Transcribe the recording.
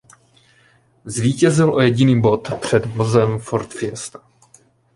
Zvítězil o jediný bod před vozem Ford Fiesta.